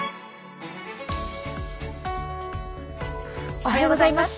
おはようございます。